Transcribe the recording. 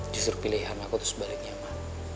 justru pilihan aku tuh sebaliknya mah